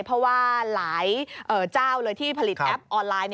เพราะว่าหลายเจ้าเลยที่ผลิตแอปออนไลน์